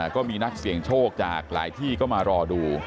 ก็มีนักเสี่ยงโชคจากหลายที่ก็มารอดู